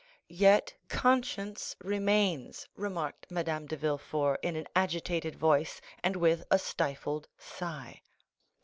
"Yet conscience remains," remarked Madame de Villefort in an agitated voice, and with a stifled sigh.